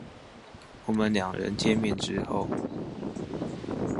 我們兩人見面之後